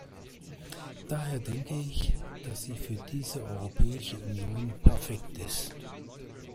Daher denke ich, dass sie für diese Europäische Union perfekt ist.